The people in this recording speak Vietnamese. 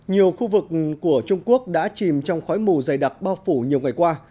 nhiều khu vực của trung quốc đã chìm trong khói mù dày đặc bao phủ nhiều ngày qua